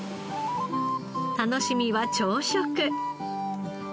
楽しみは朝食。